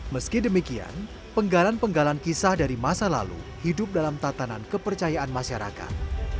meski demikian penggalan penggalan kisah dari masa lalu hidup dalam tatanan kepercayaan masyarakat